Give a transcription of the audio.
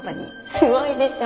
すごいでしょ